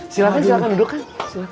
silahkan silahkan duduk kang